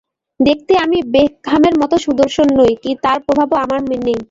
দেখতে আমি বেকহামের মতো সুদর্শন নই, তাঁর মতো প্রভাবও আমার নেই।